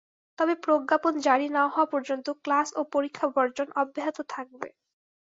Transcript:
তবে প্রজ্ঞাপন জারি না হওয়া পর্যন্ত ক্লাস ও পরীক্ষা বর্জন অব্যাহত থাকবে।